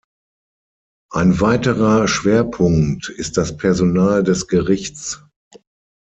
Ein weiterer Schwerpunkt ist das Personal des Gerichts.